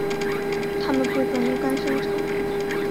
它们部分由肝生成。